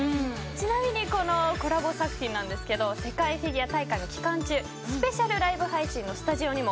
ちなみにこのコラボ作品なんですが世界フィギュア大会の期間中スペシャルライブ配信のスタジオにも